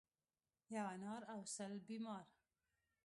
ـ یو انار او سل بیمار.